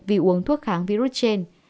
vì uống thuốc kháng virus trên